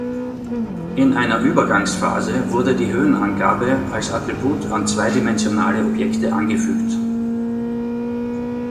In einer Übergangsphase wurde die Höhenangabe als Attribut an zweidimensionale Objekte angefügt.